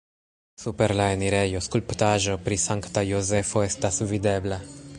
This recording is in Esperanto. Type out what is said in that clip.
Super la enirejo skulptaĵo pri Sankta Jozefo estas videbla.